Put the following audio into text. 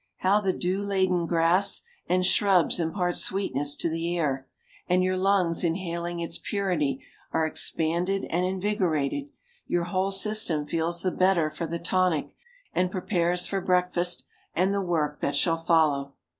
How the dew laden grass and shrubs impart sweetness to the air, and your lungs inhaling its purity, are expanded and invigorated, your whole system feels the better for the tonic, and prepares for breakfast, and the work that shall follow.